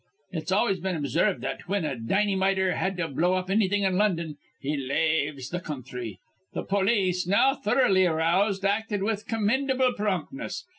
It's always been obsarved that, whin a dinnymiter had to blow up annything in London, he laves th' counthry. Th' polis, now thoroughly aroused, acted with commindable promptness.